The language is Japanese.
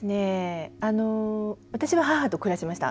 私は母と暮らしました。